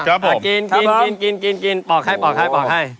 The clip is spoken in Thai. อ่ะกินปอกให้